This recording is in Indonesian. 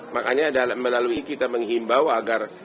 makanya melalui kita menghimbau agar